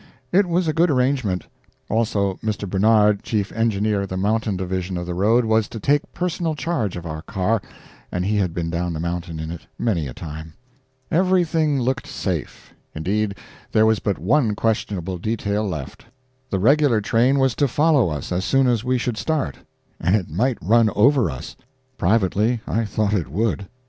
It was a good arrangement. Also Mr. Barnard, chief engineer of the mountain division of the road, was to take personal charge of our car, and he had been down the mountain in it many a time. Everything looked safe. Indeed, there was but one questionable detail left: the regular train was to follow us as soon as we should start, and it might run over us. Privately, I thought it would.